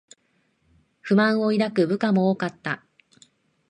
不満を抱く部下も多かった